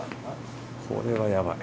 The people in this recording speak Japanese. これはやばい。